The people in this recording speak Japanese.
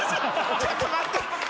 ちょっと待って！